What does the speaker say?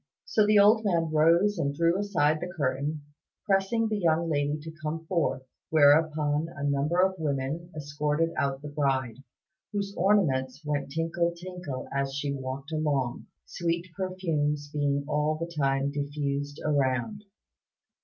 So the old man rose and drew aside the curtain, pressing the young lady to come forth; whereupon a number of women escorted out the bride, whose ornaments went tinkle tinkle as she walked along, sweet perfumes being all the time diffused around.